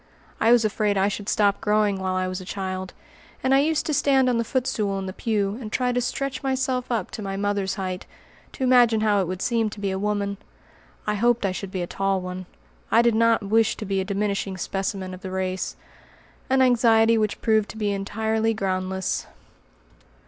I was afraid I should stop growing while I was a child, and I used to stand on the footstool in the pew, and try to stretch myself up to my mother's height, to imagine how it would seem to be a woman. I hoped I should be a tall one. I did not wish to be a diminishing specimen of the race; an anxiety which proved to be entirely groundless.